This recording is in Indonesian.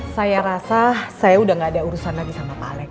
saya rasa saya udah gak ada urusan lagi sama pak alex